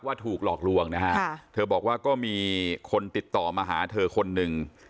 ถูกหลอกลวงนะฮะเธอบอกว่าก็มีคนติดต่อมาหาเธอคนหนึ่ง